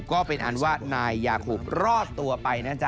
ก็เป็นอันว่านายยาหุบรอดตัวไปนะจ๊